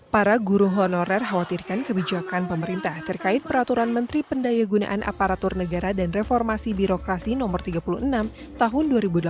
para guru honorer khawatirkan kebijakan pemerintah terkait peraturan menteri pendaya gunaan aparatur negara dan reformasi birokrasi no tiga puluh enam tahun dua ribu delapan belas